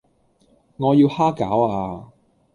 我要蝦餃呀